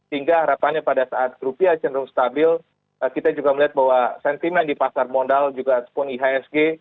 hingga harapannya pada saat rupiah cenderung stabil kita juga melihat bahwa sentimen di pasar modal juga ataupun ihsg